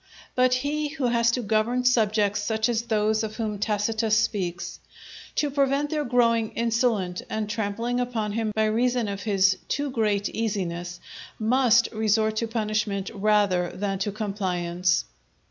But he who has to govern subjects such as those of whom Tacitus speaks, to prevent their growing insolent and trampling upon him by reason of his too great easiness, must resort to punishment rather than to compliance.